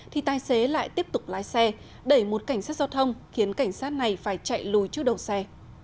thì tài xế lại tiếp tục lái xe đẩy một cảnh sát giao thông khiến cảnh sát này phải chạy lùi trước đầu xe